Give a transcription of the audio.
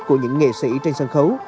của những nghệ sĩ trên sân khấu